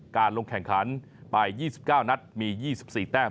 ลงแข่งขันไป๒๙นัดมี๒๔แต้ม